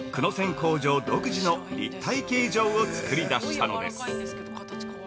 工場独自の立体形状を作り出したのです。